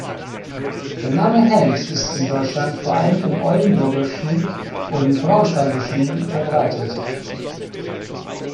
Der Name Helms ist in Deutschland vor allem im Oldenburgischen und Braunschweigischen verbreitet.